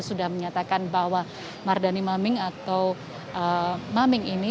sudah menyatakan bahwa mardani maming atau maming ini